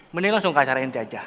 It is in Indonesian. mending lo langsung ke acara inti aja